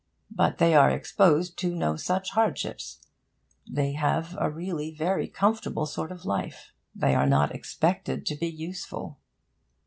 But they are exposed to no such hardships. They have a really very comfortable sort of life. They are not expected to be useful.